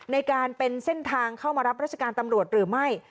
ในการเป็นเส้นทางเข้ามารับราชการตำรวจหรือไม่